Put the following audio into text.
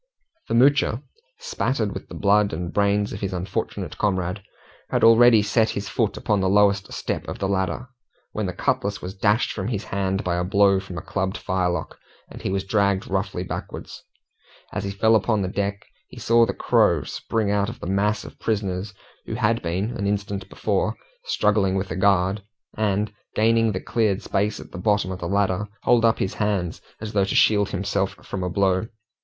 The Moocher, spattered with the blood and brains of his unfortunate comrade, had already set his foot upon the lowest step of the ladder, when the cutlass was dashed from his hand by a blow from a clubbed firelock, and he was dragged roughly backwards. As he fell upon the deck, he saw the Crow spring out of the mass of prisoners who had been, an instant before, struggling with the guard, and, gaining the cleared space at the bottom of the ladder, hold up his hands, as though to shield himself from a blow.